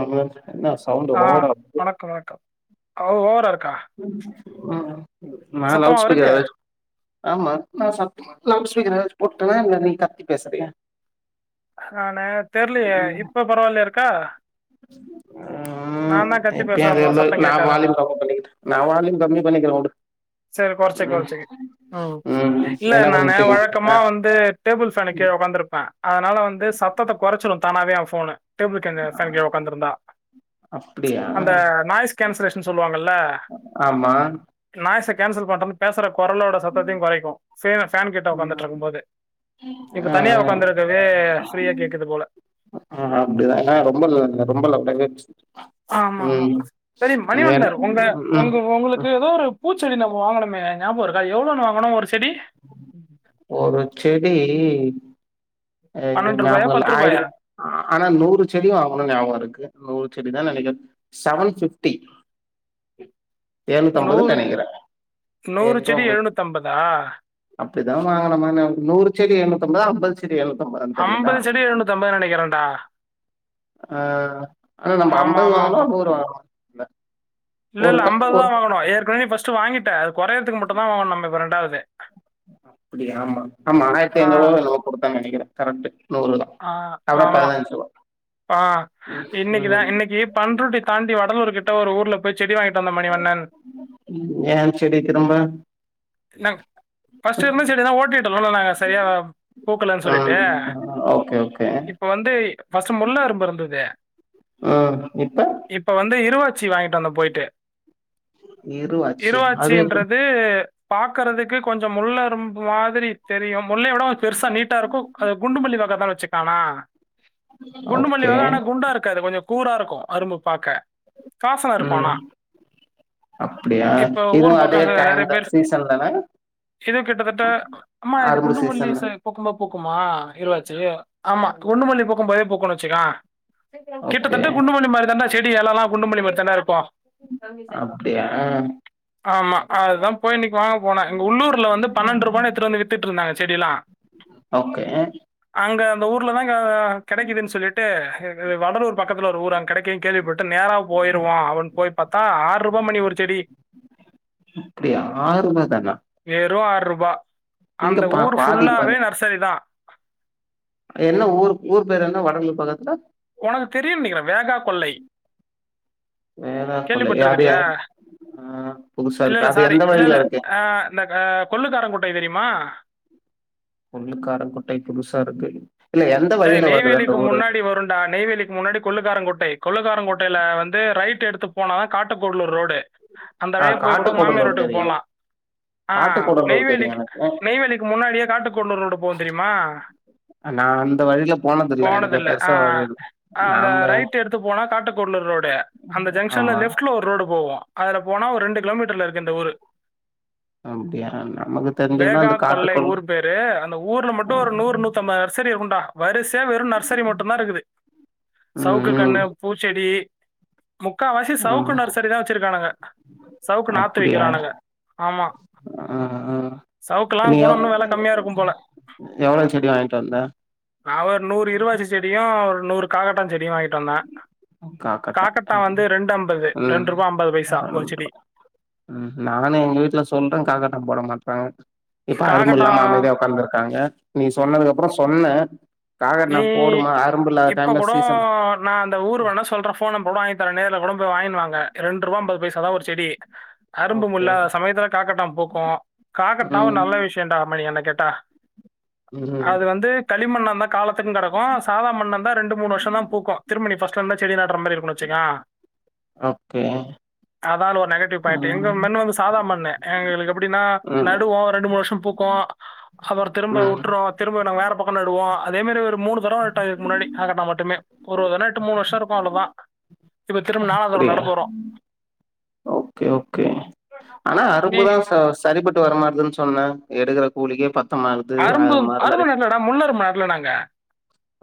ஆமா என்ன சவுண்ட் ஆ ஓவரா வருது வணக்கம் வணக்கம் ஓவரா இருக்கா சத்தமா லவ்டு ஸ்பீக்கர் இருக்கு எதாச்சு ஆமா நா சத்தமா லவுட் ஸ்பீக்கர் எதாச்சு போட்டேன்னா இல்ல நீ கத்தி பேசுறியா ஆ நே தெரலையே இப்ப பரவாயில்ய இருக்கா ம் ம் நான் தான் கத்தி இப்பயும் பேசுறேன் அதே போல மாரி சத்தம் நா கேட்காதுன்னு வால்யூம் கம்மி பண்ணிக்கிறேன் நா வால்யூம் கம்மி பண்ணிக்கிறேன் விடு சரி குறைச்ச குறைச்சக்கு ம் இல்ல என்ன நானு பண்ணிட்டு இருக்கீங்க வழக்கமா ஆ வந்து டேபிள் ஃபேனுக்கு கீழ உட்கந்துருப்பே அதனால வந்து சத்தத்த குறைச்சிடும் தானாவே ஏ ஃபோனு டேபிள் ஃபேன் கீழ உட்காந்து இருந்தா அப்டியா அந்த நாய்ஸ் கேன்சலேஷன் சொல்லுவாங்கல்ல ஆமா நாயச கேன்சல் பண்றதுனு பேசுற குரலோட சத்தையு குறைக்கும் ஃபேன் கிட்ட உடக்காந்துட்டு ம் இருக்கும் போது இப்ப ஆ தனியா உடக்காந்துருக்கவே ஃப்ரீயா கேக்குது போல ஆ அப்படிதா ஏ ரொம்ப ரொம் லவ்ட கேட்டுச்சு ஆமா ஆமா சரி மணிவண்ணர் உங்க ம் உங்க உங்களுக்கு ஏதோ ஒரு பூச்ச செடி நம்ம வாங்கினோமே ஞாபகம் இருக்கா எவ்வளோன்னு வாங்கணு ஒரு செடி ஒரு செடி பன்னெண்டு ரூபாயா ஞாபகம் இல்ல பத்து ஆயிர ரூபாயா ஆனா நூறு செடிம் வாங்கணும் ஞாபகம் இருக்கு நூறு செடிதா நினைக்க செவன் பிப்டி ம் நூறு நெனைக்கிறே நூறு எட்நூ செடி அம்பது எழுநூத்திம்பதா அப்டிதா வாங்குன மாரி ஞாபகம் இருக்கு வாங்க நூறு செடி எழுநத்தன்ம்பது அம்பது செடி எழுநூத்தம்பது தெரி ஆ அம்பது செடி எழுநூத்த அம்பது நினைக்கிறே டா ஆ ஆனா நம்ம ஆமா அம்பது ஆமா வாங்கனோ ஆமா நூறு வாங்கனோ இல்ல இல்ல ஒரு இல்ல க அம்பதா ஒரு வாங்கண ஏற்கனவே ஃபர்ஸ் வாங்கிட்டே அது குறையதுக்கு மட்டு தா வாங்கணும் இப்ப ரெண்டாவது அப்படியா ஆமா ஆமா ஆயிரத்தி ஆ ஐநூறு ரூபா என்னவோ கொடுத்த நினைக்கிறே கரெக்ட் நூறு தா ஆ அப்பனா ஆமா பதினஞ்சு ரூபா ஆ இன்னைக்குதா இன்னைக்கு பண்ருட்டி தாண்டி வடலூர் கிட்ட ஒரு ஊர்ல போய் செடி வாங்கிட்டு வந்த மணி வண்ணன் ஏ செடி திருப்ப நா பஸ்ட் இருந்த செடி தா ஓட்டிடோல நாங்க சரிய பூக்கல சொல்லிட்டு ம் ஓகே ஓகே இப்ப வந்து ஃபர்ஸ்ட் முள்ள அரும்பு இருந்தது ம் இப்ப இப்ப வந்து இருவாச்சி வாங்கிட்டு வந்த போயிட்டு இருவாச்சு அது எப்டி இருவாச்சின்றது வந்து பாக்குறதுக்கு கொஞ்சம் முல்ல அரும்பு மாதிரி தெரியு முல்லை யோட கொஞ்சம் பெருசா நீட்டா இருக்கும் அது குண்டுமல்லி வக தா வச்சுக் ஆனா குண்டுமல்லி ஓகே வக ஆனா குண்டா இருக்காது கொஞ்ச கூரா இருக்கு அரும்பு பாக்க வாசன இருக்கும் ஆனா. ம் அப்டியா இப்ப இதுவு ஊர் அதே பக்கம் டைம் நெறைய தா பேர் சீஸ் ஸன்லலா இது கிட்டத்திட்ட சீசன் தா பூக்கும் போ பூக்குமா இருவாச்சி ஆமா குண்டுமல்லி பூக்கும்போது பூக்குனு வச்சுக்க ஓகே கிட்டத்தட்ட குண்டுமல்லி மாரி தாண்டா செடி எலல்லா குண்டுமல்லி மாரி தாண்டா இருக்கு அப்டியா ஆமா அதா போய்ன்னு வாங்க போனே இங்க உள்ளூர்ல வந்து பன்னெண்ரூபான் எட்த்துட்டு வந்து வித்துட்ருந்தாங்க செடிலா ஓகே அங்க அந்த ஊல் தா க கெடைக்குதுன் சொல்லிட்டு இது வடலூர் பக்கத்துல ஒரு ஊர் அங்க கெடைக்குதுன் கேள்விட்டு நேரா போயிருவோ அப்டின் போய் பாத்தா ஆற்ரூபா மணி ஒரு செடி அப்டியா ஆற்ரூபா தானா வெறு ஆற்ரூபா இங்க அந்த பா ஊர் பாதி ஃபுல்லாவே பாதி நர்சரி தா என்ன ஊர் ஊர் பேரு என்ன வடலூர் பக்கத்துல உனக்கு தெரியு நெனக்றே வேகா கொல்லை கேள்வி வேளாக்கொல்லை அது பட்ருக்றியா எ- ஆ புதுசா இருக்கு இல்லல்ல அது சாரி எந்த இல்லல்ல‌ வழில இருக்கு ஆ இந்த அ கொள்ளுகார குட்டை தெரியுமா கொள்ளுக்காரங்குட்டை புதுசா இருக்கு இல்ல எந்த டேய் வழில வருது அந்த நெய்வேலிக்கு ஊரு முன்னாடி வருண்டா நெய்வேலிக்கு முன்னாடி கொள்ளுக்காரங்குட்டை கொள்ளுக்காரங்குட்டைல வந்து ரைட் எடுத்து போனா காட்டுக்கூடலூர் ரோடு அந்த ஆ வழியா போய் கூட மாமியார் காட்டுக்கூடலூர் வீட்டுக்கு தெரியு போலா ஆ காட்டுக்கூடலூர் தெரியு நெய்வேலிக் எனக்கு நெய்வேலிக்கு முன்னாடியே காட்டுக்கூடலூர் ரோடு போகு தெரியுமா நா அந்த வழிலப் போனதில்லை ஆ அந்த நாம்ப ரைட் எடுத்து போனா காட்டுக்கூட்லூர் ரோடு அந்த ஜங்ஷன்ல ஆமா லெஃப்ட்ல ஒர் ரோடு போகு அதுல போனா ஒரு ரெண்டு கிலோமீட்டர்ல இருக்கு இந்த ஊரு அப்டியா நமக்கு தெரிஞ்சது அந்த காட்டுக்கொளோ டே அந்த ஊர்ல மட்டு ஒரு நூறு நூத்தம்பது நர்சரி இருக்குண்டா வரிசையா வெறு நர்சரி மட்டுந்தா இருக்குது சவுக்கு ம் கன்னு ம் பூச்செடி முக்கால் வாசி சவுக்கு ஆமா நர்சரிதா வச்சிருக்கானுக சவுக்கு நாத்து அப்டியா விக்கிறானுக ஆமா ஆ ஆ சவுக்கலா நீ அங் போனா எவ் இன்னு வெல கம்மியா இருக்கும் போல எவ்ளோ செடி வாங்கிட்டு வந்த நா ஒரு நூறு இருருவாச்சி செடியு ஒரு நூறு காகர்ட்டா செடியு வாங்கிட்டு வந்த காக்கட்டா காக்கர்ட்டா வந்து ரெண்டு ஐம்பது ம் ரெண்ட்ரூபா அம்பது பைசா ஒரு ரெண்டு செடி ம் நானு எங்க வீட்ல சொல்றே காகர்ட்டா போட மாட்றாங்க இப்ப அரும்பு காக்கட்டா இல்லாம அமைதியா ஒக்கார்ந்துருக்காங்க நீ சொன்னதுக்குப்றோ சொன்ன நீ காகர்ட்டா போடுமா அரும்பு இல்லாத இப்ப டைம்ல கூட சீசன் நா அந்த ஊர் வேண்னா சொல்ற ஃபோன் நம்பரு கூட வாங் தரே நேர்ல கூட போய் வாங்கினு வாங்க ரெண்ரூவா அம்பது பைசா தா ஒரு செடி அரும்பு ஓகே முல்லாத சமயத்துல காக்கர்ட்டா பூக்கு காக்கர்ட்டாவு ம் நல்ல விஷயண்டா மணி என்ன கேட்டா ம் அது வந்து களிமண்ணாந்தா காலத்துக்கு கெடக் கு சாதா மண்ணா இருந்தா ரெண்டு மூனு வருஷ தா பூக்கு திரும்ப நீ ஃபஸ்ட்லந்து தா செடி நட்ற மார்இரு னு வச்சுக்க ஓகே அதான் ஒரு நெகட்டிவ் பாயிண்ட்டு எங்க ம் மண் வந்து சாதா மண்ணு எங்களுக்கு எப்டின்னா ம் நடுவோ ரெண்டு மூனு வருஷோ பூக்கு அப்பறோ திரும்ப ம் வுட்ருவா திரும்ப நாங்க வேற பக்கோ நடுவோ அதே மாரி ஒரு மூணு தரவோ நட்டோ இதுக்கு முன்னாடி ஆ கேட்ட மட்டுமே ஒரு என்ன எட்டு மூணு வர்ஷோ இருக்கு அவ்ளோதா அப்புடியா ஓகே ஓகே ஆனா நீ அரும்புதா ச சரிப்பட்டு வர மாட்டதுன்னு சொன்னா எடுக்குற கூலிக்கே பத்த மாக்குது அது மார்தா டே நா முன்னரு மார்ல நாங்க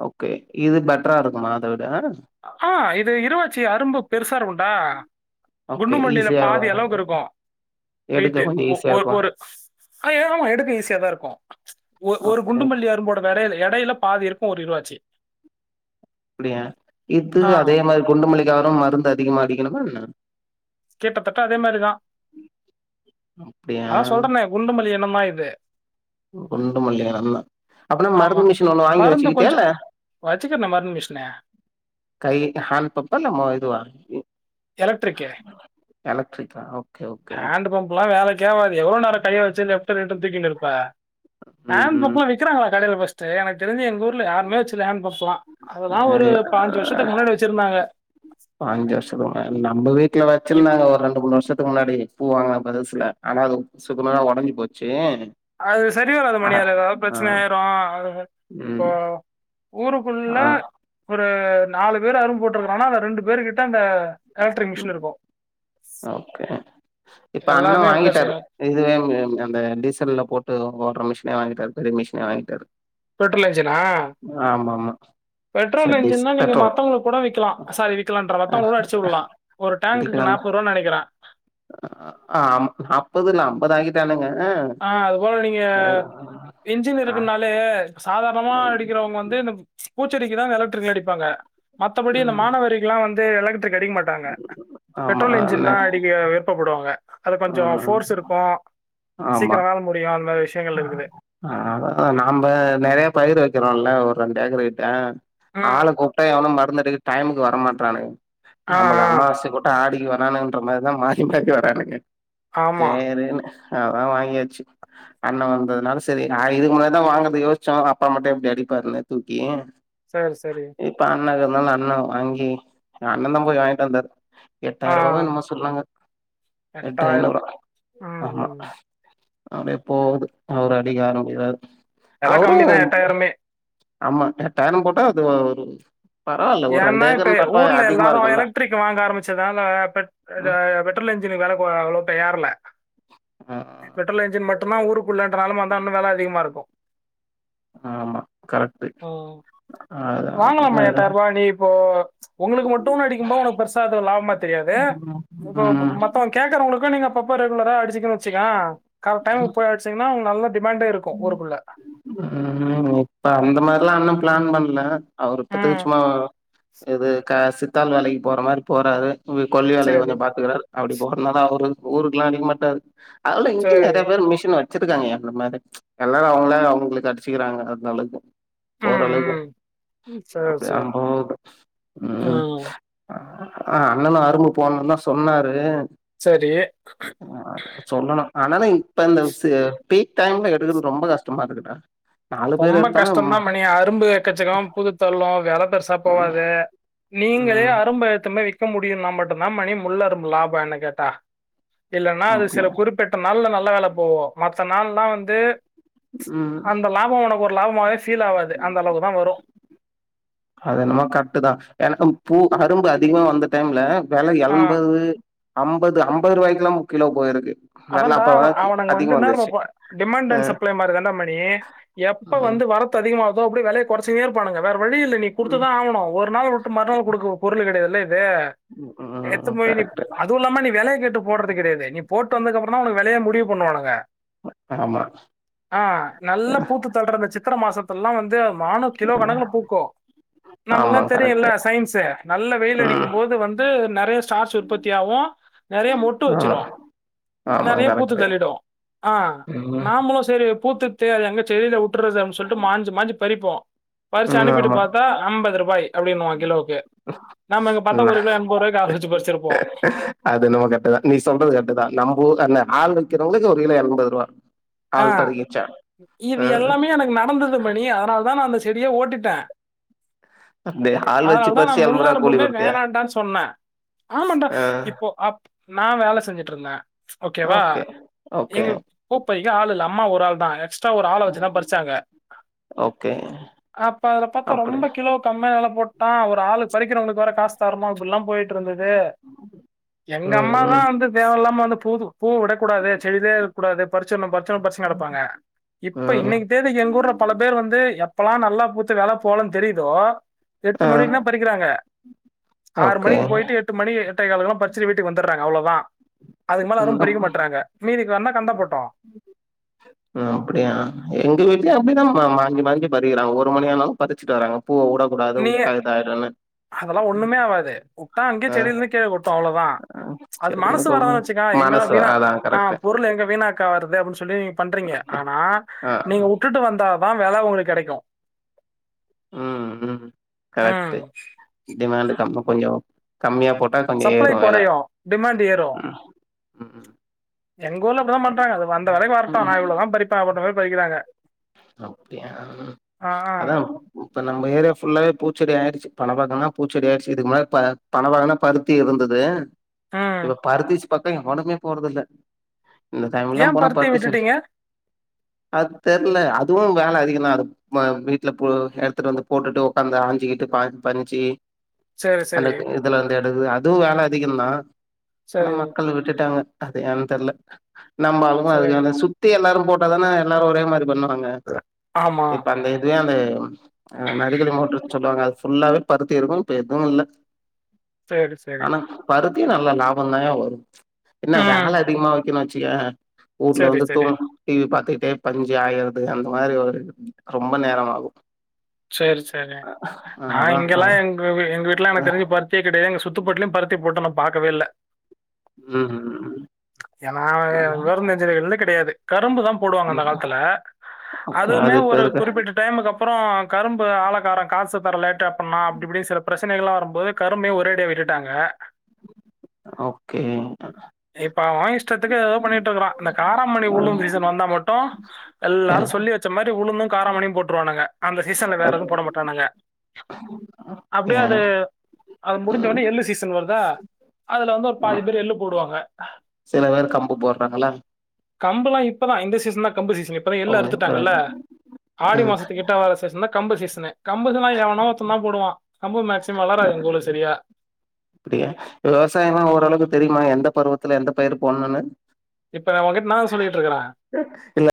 ஓகே இது பெட்ரா இருக்கும்மா அத விட ஆ இது இருவாச்சி அரும்பு பெருசா இருக்குன்டா ஓகே குண்டு மல்லியில ஈஸியா பாதி அளவுக்கு இருக்கு எடுக்க வையிட்டு கொஞ்சோ ஈஸியா ஒ இருக்கு ஒரு அ ஆமா எடுக்க ஈசியாதா இருக்கு ஒரு ஒரு ஓகே குண்டுமல்லி அரும்போட வெடயில எடையில பாதி இருக்கு ஒரு இருவாச்சி அப்டியா இது ஆ அதே மாதிரி குண்டு மலிக்காகும் மருந்து அதிகமாக்க அடிக்கணுமா என்ன கிட்டத்தட்ட அதே மாரிதா அப்டியா அதா சொல்றனே குண்டுமல்லி எனம்மா இது குண்டு மல்லிய நல்லா அப்பனா ஆமா. மருந்து மிஷின் ஒண்ணு வாங்கி மருந்து வச்சுக்கிட்டியா இல்ல கொஞ்சம் வச்சுக்கிறேனே மருந்து மிஷின. கை ஹேண்ட் பம்பா இல்ல ம இதுவா ம் எலட்ரிக்கு எலக்ட்ரிக்கா ஓ ஹண்ட் பம்பல்லா வேலக்கே ஆவாது எவ்ளோ நேரோ கைய வச்சு லெப் ட்ட ரெட்ட தூக்கின் இருப்பா ம் ஹேண்ட் ம் பம்பல்லா விக்கிறாங்களா பஸ்ட்டு எனக்கு தெரிஞ்சு எங்க ஊர் க்குல யாருமே வச்சுல்ல ஹேண்ட் பம்பல்லா அதல்லா ஒரு பாஞ்சு வருஷத்துக்கு முன்னாடி வச்சுருந்தாங்க ப்ப அஞ்சு வருஷத்துக்கு முன்னாடி நம்ம வீட்லயு வச்சுருந்தாங்க இப்ப ஒரு ரெண்டு மூணு வருஷத்துக்கு முன்னாடி வாங்குன புதுசுல ஆனா அது சுக்கு நூறா ஒடஞ்சு போச்சு அது சரி வராது ஆ மணி அது எதாவது ஆ ப்ரச்சன ஆயிரு இப்போ ம் ஊருக்குள்ள ஆ ஒரு நாலு பேர் அரும்பு போட்ருக்குறான்னா அந்த ரெண்டு பேரு கிட்ட அந்த எலக்ட்ரிக் மிஷின் இருக்கு அ ஓகே இப்ப அண்ணே எல்லாருமே அப்படிதான் வாங்கிட்டாரு செய்றாங்க. இதுவே இங்க அந்த டீசல்ல போட்டு ஓட்ற மிஷினே வாங்கிட்டாரு பெரிய மிஷினே வாங்கிட்டாரு பெட்ரோல் இன்ஜினா ஆமாம் பெட்ரோல் என்ஜின்னா நீங்க மத்தவங்களுக்கு கூட விக்கலா சாரி விக்கலான்றே ஆ மத்தவுங்க கூட அடிச்சு விட் ல்லா ஒரு டேங்க்குக்கு நாப்பேர் ரூவான் நெனக்கிறே அம் நாப்பது இல்ல ஐம்பது ஆக்கிட்டானுங்க ஆ அது போல நீங்க என்ஜின் ஆ இருக்குனாலே சாதாரணமா அடிக்கிறவுங்க வந்து அந் பூச்செடிக்கு தா எலக்ட்ரிகல் அடிப்பாங்க மத்தபடி இந்த ம் மாணவரிக்கில்லா வந்து எலக்டரிக் அடிக்க மாட் டாங்க ஆமா பெட்ரோல் இன்ஜின்தா அடிக்க விருப்பப் படுவாங்க அது கொஞ்சோ போர்ஸ் இருக்கு ஆமா சீக்ரோ வேல முடியு அ மாரி விஷ் அதா அதா நம்ப நெறையா பயிர் வைக்கிறோல்ல ஒரு ரெண்டு ஏக்கரு கிட்ட ம். ஆள கூப்ட்டா எவனு மறந்தடிக்க டைமுக்கு வர மாட்றானுங்க ஆ, நம்க்கு ஆ. அம்மாவாசை கூட் ட்ட ஆடிக்கு வரானுங்குன்ற மாரிதா மாரி மாரி வரானுங்க ஆமா. சேரின்னு ஆ அதா வாங்கியாச்சு அண்ண வந்ததுனால செரி நா இதுக்கு முன்னாடி தா வாங்கற்துக்கு யோச்சோ அதா அப்பா மட்டு எப்டி அடிப்பாருன்னு தூக்கி சேர் சரி இப்ப அண்ணே இருக்குறனால அண்ணே வாங்கி எங்க அண்ண தா போய் வாங்கிட்டு வந்தாரு ஆ. எட்டாயிர் ரூவாவோ என்னமோ சொல்றாங்க எட்டு ஐநூறா ம், ஆமா ம். அப்டியே போகுது அவரு அடிக்க ஆரம்பிக்கிறார் வெல கம்மி அவரும் தான் ஆமா எட்டாயிரோ போட்டா அது வரு பரவால்ல ஒரு ரெண்டு ஏன்னா இப்ப ஏக்கர்ன்றப்பா ஊர்ல அதிகமா எல்லாரும் இருக்குல்ல எலக்ட்ரிக் வாங்க ஆரம்பச்சதா இல்ல பெட் இது ம் பெட்ரோல் என்ஜினுக்கு வேல அவ்ளோ ஏறல ஆ பெட்ரோல் இன்ஜின் மட்டுதா ஊருக்குள்ளன்ற நெலம வந்தா இன்னு வெல அதிகமா இருக்கு ஆமா கரெக்ட்டு ம் அதா வாங்க மாமா எ அதா டாய்ருவா நீ இப்போ உங்ளுக்கு மட்டு அடிக்கும்போது உனக்கு பெருசா லாபமா தெரியாது ம் இப்போ ம் மத்த கேக்குறவங்ளுக்கு நீங்க அப்பப்ப ரெகுலரா அடிச்சிகன்னு வச்சுக்க கரெக்ட டைமுக்கு போய்அடிச்சிங்கன்னா உங்களுக்கு நல்ல டிமெண்டா இருக்கு ஊருக்குள்ள உ இப்ப ம். அந்த மாறி ல்லா அண்ணா பிளான் பண்ணல அவர் இப்பத்துக்கு ம் சும்மா இது க சித்தால் வேலைக்கு போற மாரி போறாரு கொள்ளி வேலைய சரி கொஞ்சோ பாத்துக்குறாரு அப்டி போறனாதா அவரு ஊருக்ல்லா அடிக்க மாட்டாறு ‌அதனால இங்கயு சரி நெறைய பேர் மிஷின் வ ச்சிருக்காங்க என்ன மாரி எல்லாரு அவுங்ளே அவுங்ளுக்கு அடிச்சுக்கிறாங்க அந்தளவுக்கு ம் ஓரளவுக்கு ம் ம். சரி அப்டியா சரி அப்டி போது ம் அண்ணனு அரும்பு போணுனு தா சொன்னாரு செரி சொல்லணு ஆனாலு இப்ப இந்த பீக் டைம்ல எடுக்குறது ரொம்ப கஷ்டமா இருக்குடா நாலு பேர் ரொம்ப எடுத்தாலு கஷ்டோதா மணி அரும்பு எக்கச்சக்கமாபூத்து தள்ளு வெல பெருசா போவாது நீங்களே ம் அரும்ப ஏட்துனு போய் முடியுனா மட்டு தா மணி முள்ளரும்பு லாபோ என்ன கேட்டா இல்லன்னா அது அப்டி சில குறிப்பிட் நாள்ல நல்ல வெல போவு மத்த நாள்ல்லா வந் ம் அந்த நாள் உனக்கு ஒரு லாபமாவே பீல் ஆவாது அந்த அளவு தான் வரு அது என்னமா கரெக்ட்தா எனக்கு பூ அரும்பு அதிகமா வந்த டைம்ல வெல ஆ என்பது அம்பது அம்பது ரூவாய்க்ல்லா கிலோ பொயிருக்கு அதான்டா அவ அவனுங்க வந்து என்னாற்றா டிமாண்ட் ஆ அண்ட் சப்ளை மாரிதாண்டா மணி எப்ப ம் வந்து வரத்து அதிக ஆவுதோ அப்டிய வெலைய குறைச்சுனே இருப்பானுங்க வேற வழி இல்ல நீ குடுத்துதா ம் ஆவனு ஒரு நாள் வுட் ட்ரு மறுநாள் குடுக்கு பொருள் கெடையாதுல்ல இது ம் எட்த்துனு போய் நீ கரெக்ட் அது இல்லாம நீ வெலையை கேட்டு போட்றது கெடையது நீ போட்டு வந்ததுக்கு அப்றோதா உனக்கு விளைய முடிவு பண்ணுவானுங்க ஆமா அ நல்ல பூத்து ந்த சித்ர மாசத்துலல்லாம் வந்து மானு கிலோ கணக்கு பூக்கு ஆமா நமளுக்ல்லாம் கரெக்ட் தெரியுல சயின்ஸ நல்ல வெயில் ம் அடிக்கும் போது வந்து நறைய ஸ்டார்ச் உற்பத்தி ஆவு நெறைய மொட்டு ஆமா வச்சிரு ஆமா நறையவே பூத்து கரெக்ட் தள்ளிடு அ ம் நாமளு சரி பூத்துர்தே எங்க செடில வுட்டற்துசொல்ட்டு மாஞ்சி மாஞ்சி பறிப்போ பறிச்சு ம் அனுப்பிட்டு ஆமா பாத்தா அம்பது ரூபாய் அப்டின்னுவா கிலோவுக்கு நாம்ம இங்க பாத்தா ஒரு கிலோ எண்பது ரூபாய் ஆள் வச்சு பறிச்சிருப்போ அது என்மோ கரெக்ட்டுதா நீ சொல்றது கர்ட்டுதா நம்ப அந்த ஆள் வைக்கிறவங்ளுக்கு ஒரு கிலோ எண்பது ருவா அ இது எல்லாமே எனக்கு நடந்துது மணி அதனாலதா நான் அந்த செடியை ஓட்டிட்டே அந்த ஆள் வச்சு அதனாலதா நா பறிச்சு ரூ. கூலி முல்லருபுமே கொடுத்தியா? வேணாண்டான்னு சொன்னே ஆமாடா ஆ. இப்போ அப் நா வேல செஞ்சுட்ருந்தே ஓகேவா ஓகே. ஓகே. இங்க இப்பைக்கு ஆள் இல்ல அம்மா ஒரு ஆள்தா எக்ஸ்ட்ரா ஒரு ஆள் வச்சுதா பறிச்சாங்க ஓகே. அப்ப அதுல பாத்தா அப்படி. ரொம்ப கிலோ கம்மியா வெல போட்டா ஒரு ஆளுக்கு பறிக்கிறவங்ளுக்கு வேர காசு தரனு இப்டில்லா போய்ட்டுருந்துது எங்க ம். அம்மா தா ம். வந்து தேவ இல்லாம வந்து போது பூ விடக்கூடாது செடியிலே இருக்க கூடாது பறிச்சர்ணு பறிச்சர்ணு பறிச்சின்ணு கெடப்பாங்க இப்ப ம். இன்னைக்கு தேதிக்கு எங்க ஊர்ல பல பேர் வந்து எப்பெல்லா நல்லா பூத்து வெல போலன்னனு தெரியுதோ எட்டு ஆ. மணிக்குனா பறிக்கிறாங்க ஆறு ஓகே. மணிக்கு போயிட்டு எட்டு எட்டு மணி எட்டே காலுக்கெலா பச்சிட்டு வீட்டுக்கு வந்தட்றாங்க அவ்வளதான் அதுக்கு மேல ம். யாரும் அப் பறிக்க மாட்றாங்க மீதி காரணம் கந்தப்பட்டோம் ம் அப்டியா எங்க வீட்லயு அப்டிதான் மாஞ்சி மாஞ்சி பறிக்கிறாங்க ஒரு மணி ஆனாலும் பதிச்சிட்டு வர்றாங்க பூவ உட கூடாது உட்டா இதாயிரன்னு அதெல்லாம் ஒண்ணுமே ஆகாது உட்ட அங்கேயே செடியிலிருந்து கீழ கொட்டும் அவ்வளவுதான் ஆ. அது சரி மனசு ஒண்ணுக்கு ஒண்ணு வரதானு வச்சு எங்க மனசு வீணா அதான் ஆ கரெக்ட். பொருள் எங்க வீணா வீணாக்க வருது அப்டின்னு சொல்லி நீங்க பண்றீங்க ஆனா ஆ. நீங்க உட்டுட்டு வந்தா தா வில உங்களுக்கு கெடைக்கும் ம் ம் ம் கரெக்ட்டு டிமாண்டு கம்ம கொஞ்சம் கம்மியா போட்டா கொஞ்சம் சப்ளை ஏறும் வெல கொறையு டிமாண்ட் ஏறு எங்க ஊர்ல அப்படி தா பண்றாங்க அது வந்த வெலைக்கு வரைக்கும் வரட்டம் நா ம் இவ்ளதா பறிப்பே அப்டின்ற மாதி பறிக்கிறாங்க அப்படியா ஆ ஆ அதான் இப்ப நம்ம ஏரியா ஃபுல்லாவே பூச்செடி ஆயிடுச்சு பணம்னா பூச்சடி ஆயிச்ச இதுக்கு பணவனா பருத்தி இருந்தது ம் இப்ப பருத்திசு பக்கம் எவனுமே போறதில்ல இந்த டைமல்லாம் ஏன் போனா பருத்தி சரி விட்டுட்டீங்க? அது தெர்ல அதுவும் வேலை அதிகமா இருக்கும் மா வீட்டுல போ எடுத்துட்டு வந்து போட்டுட்டு உடக்காந்து ஆஞ்சுக்கிட்டு பஞ்சு சரி, சரி, அந்தக்கு இதுல எடுது அதும் வேலை அதிகந்தான் ஆனா சரி, மக்கள் விட்டுட்டாங்க அது ஏன்னு தெர்ல நம்மாளும் சரி. அதுக்கான சுத்தி எல்லாரும் போட்டாதான எல்லாரும் ஒரே மாதிரி பண்ணுவாங்க ஆமா. இப்ப அந்த இதுவே அந்த ஆ நடிக மோட்ட சொல்லுவாங்க அது ஃபுல்லாவே பருத்தி இருக்கும் இப்ப எதுவும் இல்ல சரி, சரி. ஆனா பருத்தியும் நல்ல லாபம் தான்யா வரும் என்ன ம். வேலை அதிகமா வச்சுக்கயன் ஊட்ல சரி, வந்து சரி, தூங்க டிவி பாத்துக்கிட்டே பஞ்ச ஆயறது அந்த மாதிரி ஒரு ரொம்ப நேரம் ஆகும் சரி சரி நா அதா இங்கெல்லாம் எங்க எங்க வீட்லெல்லாம் ஆ எனக்கு தெரிஞ்சு பருத் பருத்தி கடைய சுத்துப்பட்டுலயும் பருத்தி போட்டு நா பாக்கவே இல்ல ம்ம்ம் ஏன்னா வெருந்தெஞ்சலிகள் கிடையாது கரும்பு தான் போடுவாங்க அந்த ம் காலத்துல் ஓகே அதுமே அது இப்ப ஒரு இருக்க குறிப்பிட்ட டைமுக்கு அப்புறம் கரும்பு ஆலக்காரன் காசு தர லேட்ட பண்ணாம் அப்படிஇப்படி சில பிரச்சனைகளாம் வரும்போது கரும்பையும் ஒரேடியா விட்டுட்டாங்க ஓகே அவன்அவன் இஷ்டத்துக்கு என்னமோ பண்ணிட்டுருக்கறான் இந்த காரமணி உளுந்து சீசன் வந்தா மட்டும் எல்லாரும் சொல்லி வச்ச மாறி உளுந்தும் காரமணியும் போட்டுருவானுங்க அந்த சீசன்ல வேற எதுவும் போட மாட்டானுங்க அப்படியே அத அது முடிஞ்ச உடனே எள்ளு சீசன் வருதா அதுல வந்து ஒரு பாதி பேர் எள்ளு போடுவாங்க சில பேர் கம்பு போட்றாங்களா கம்பல்லாம் இப்பதான் இந்த சீசன் தான் கம்பு சீசன் இப்பதான் எள்ள ஓ இப்ப அறுத்துட்டாங்கல்ல ஆ ஆடி மாசத்து கிட்ட வர சீசன் தா கம்பு சீசனு கம்பு எவனோ ஒருத்த தான் போடுவா கம்பு மேக்சிமம் வளராது எங்க ஊர்ல சரியா அப்படியா விவசாயம்னா ஓரளவுக்கு தெரியுமா எந்த பருவத்துல எந்த பயிர் போடனும்னு இப்ப நான் உங்கிட்ட நா என்ன சொல்லிட்டு இருக்றேன் இல்ல